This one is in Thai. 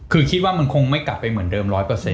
คือคิดว่ามันคงไม่กลับไปเหมือนเดิม๑๐๐